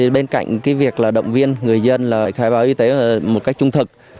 bên cạnh việc động viên người dân khai báo y tế một cách trung thực